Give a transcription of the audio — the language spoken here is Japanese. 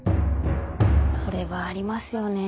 これはありますよね。